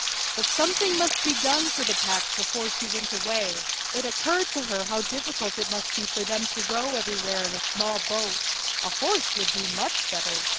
But something must be done for the Pecks before she went away. It occurred to her how difficult it must be for them to row everywhere in a small boat. A horse would be much better.